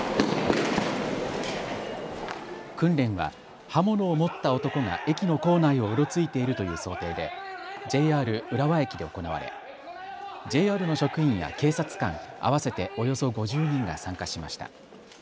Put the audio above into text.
訓練は刃物を持った男が駅の構内をうろついているという想定でＪＲ浦和駅で行われＪＲの職員や警察官合わせておよそ５０人が参加しました。